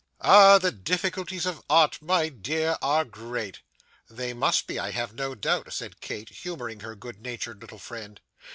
Ah! The difficulties of Art, my dear, are great.' 'They must be, I have no doubt,' said Kate, humouring her good natured little friend.